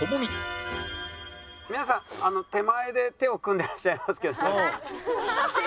皆さん手前で手を組んでらっしゃいますけど。